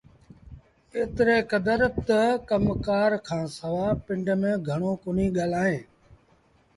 ايتري ڪدر تا ڪم ڪآر کآݩ سوا پنڊ ميݩ گھڻوݩ ڪونهيٚ ڳآلائيٚݩ